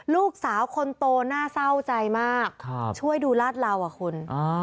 ลูกสาวคนโตน่าเศร้าใจมากช่วยดูลาดเหลาอ่ะคุณ